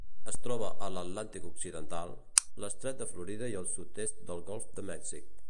Es troba a l'Atlàntic occidental: l'estret de Florida i el sud-est del golf de Mèxic.